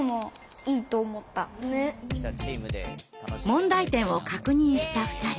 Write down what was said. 問題点を確認した２人。